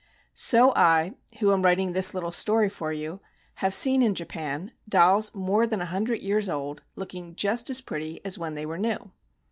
So I, — who am writing this little story for you, — have seen in Japan, dolls more than a hundred years old, looking just as pretty as when they were new.